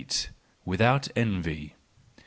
Without Envy .